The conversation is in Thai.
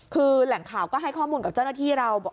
คือแหล่งข่าวก็ให้ข้อมูลกับเจ้าหน้าที่เรา